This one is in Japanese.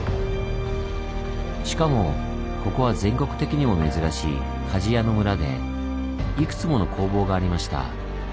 しかもここは全国的にも珍しい鍛冶屋のムラでいくつもの工房がありました。